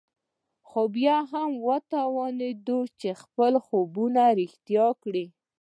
خو بيا هم وتوانېد چې خپل خوب رښتيا کړي.